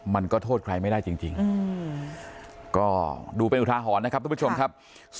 มันก็โทษใครไม่ได้จริงก็ดูเป็นอุทาหรณ์นะครับทุกผู้ชมครับ